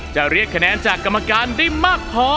จะเรียกคะแนนจากกรรมการได้มากพอ